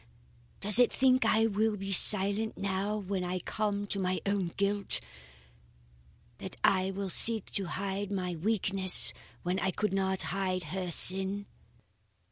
Does it think I will be silent now when I come to my own guilt? That I will seek to hide my weakness when I could not hide her sin?"